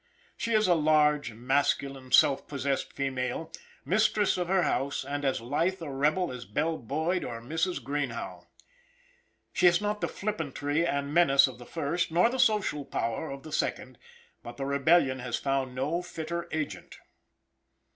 She is a large, masculine, self possessed female, mistress of her house, and as lithe a rebel as Belle Boyd or Mrs. Greenhough. She has not the flippantry and menace of the first, nor the social power of the second; but the rebellion has found no fitter agent.